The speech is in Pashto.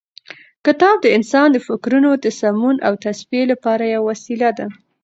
کتاب د انسان د فکرونو د سمون او تصفیې لپاره یوه وسیله ده.